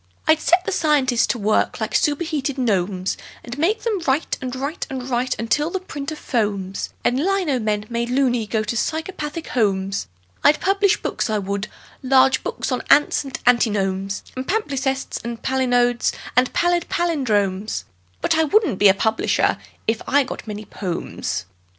I'd set the scientists to work like superheated gnomes, And make them write and write and write until the printer foams And lino men, made "loony", go to psychopathic homes. I'd publish books, I would large books on ants and antinomes And palimpsests and palinodes and pallid pallindromes: But I wouldn't be a publisher if .... I got many "pomes."